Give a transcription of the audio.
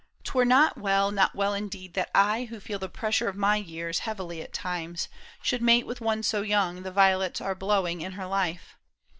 'Twere not well, not well indeed, That I who feel the pressure of my years Heavily at times, should mate with one so young The violets are blowing in her life.